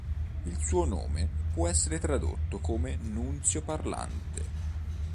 Il suo nome può essere tradotto come: "nunzio parlante".